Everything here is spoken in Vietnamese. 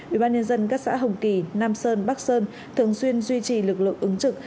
ủy ban nhân dân các xã hồng kỳ nam sơn bắc sơn thường xuyên duy trì lực lượng ứng trực